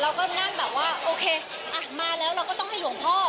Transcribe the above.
อะไรอย่างเงี้ยเราก็นั่นแบบว่าโอเคอ่ะมาแล้วเราก็ต้องให้หลวงพ่อ